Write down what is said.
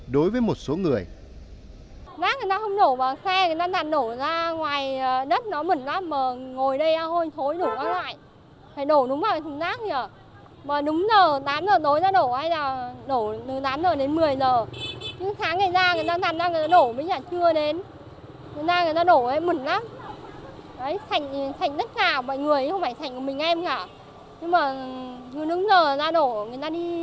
đối với một số người